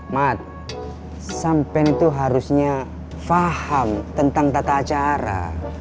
mat sampen itu harusnya faham tentang tata cara